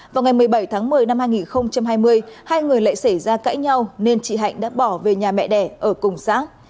vào ngày một mươi bảy tháng một mươi năm hai nghìn hai mươi hai người lại xảy ra cãi nhau nên chị hạnh đã bỏ về nhà mẹ đẻ ở cùng xã